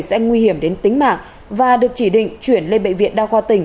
sẽ nguy hiểm đến tính mạng và được chỉ định chuyển lên bệnh viện đa khoa tỉnh